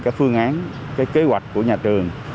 các phương án kế hoạch của nhà trường